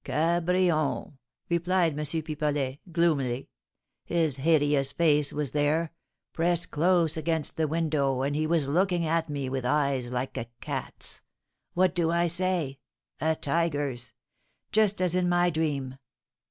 "Cabrion!" replied M. Pipelet, gloomily. "His hideous face was there, pressed close against the window, and he was looking at me with eyes like a cat's what do I say? a tiger's! just as in my dream.